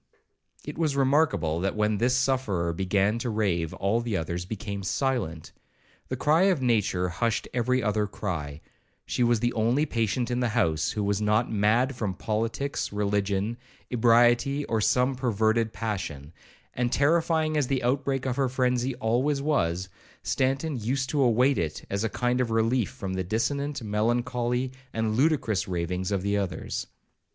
It was remarkable, that when this sufferer began to rave, all the others became silent. The cry of nature hushed every other cry,—she was the only patient in the house who was not mad from politics, religion, ebriety, or some perverted passion; and terrifying as the outbreak of her frenzy always was, Stanton used to await it as a kind of relief from the dissonant, melancholy, and ludicrous ravings of the others.